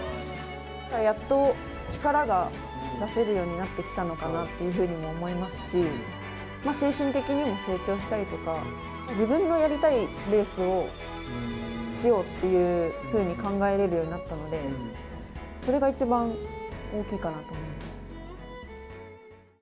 やっと力が出せるようになってきたのかなというふうにも思いますし、精神的にも成長したりとか、自分のやりたいレースをしようっていうふうに考えれるようになったので、それが一番大きいかなと思います。